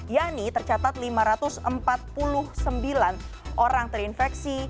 yakni tercatat lima ratus empat puluh sembilan orang terinfeksi